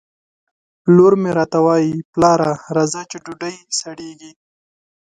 لور مې راته وایي ! پلاره راځه چې ډوډۍ سړېږي